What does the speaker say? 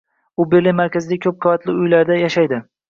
U Berlin markazidagi oddiy ko'p qavatli uyda yashaydi